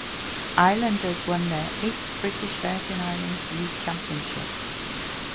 Islanders won their eighth British Virgin Islands league championship.